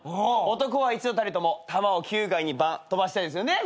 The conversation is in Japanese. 男は一度たりとも球をバンッ飛ばしたいですよね